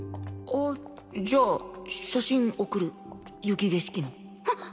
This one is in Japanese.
あじゃあ写真送る雪景色の。